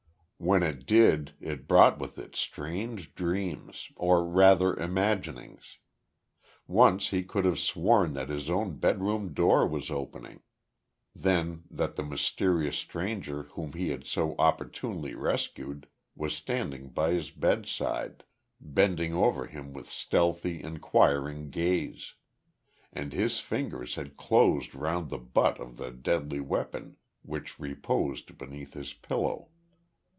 When it did it brought with it strange dreams, or rather imaginings. Once he could have sworn that his own bedroom door was opening, then that the mysterious stranger whom he had so opportunely rescued, was standing by his bedside, bending over him with stealthy enquiring gaze; and his fingers had closed round the butt of the deadly weapon which reposed beneath his pillow.